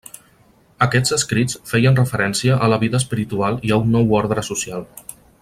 Aquests escrits feien referència a la vida espiritual i a un nou ordre social.